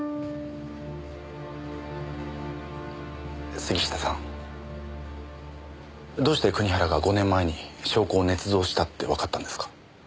杉下さんどうして国原が５年前に証拠を捏造したってわかったんですか？